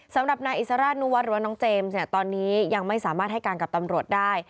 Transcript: สำหรับนายอิสราชนุวัฒน์หรือว่าน้องเจมส์เนี่ยตอนนี้ยังไม่สามารถให้การกับตำรวจได้